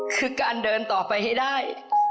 คือการเดินต่อไปให้ได้